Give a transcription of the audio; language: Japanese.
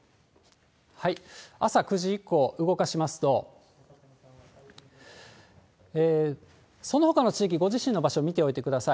朝９時以降動かしますと、そのほかの地域、ご自身の場所、見ておいてください。